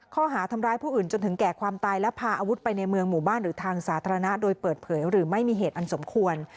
ข้อหาทำร้ายผู้อื่นจนถึงแก่ความตายและพาอาวุธไปในเมืองหมู่บ้านหรือทางสาธารณะโดยเปิดเผยหรือไม่มีเหตุอันสมควร